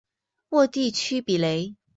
沃地区比雷。